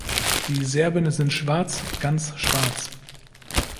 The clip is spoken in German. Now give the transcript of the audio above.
Die Serben sind schwarz, ganz schwarz.